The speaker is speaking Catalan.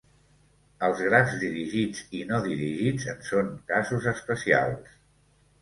Els grafs dirigits i no dirigits en són casos especials.